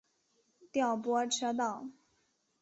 调拨车道。